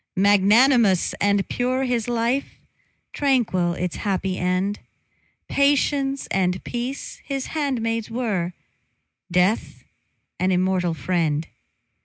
Magnanimous and pure his life, Tranquil its happy end; Patience and peace his handmaids were, Death an immortal friend.